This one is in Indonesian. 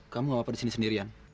kamu ngapa di sini sendirian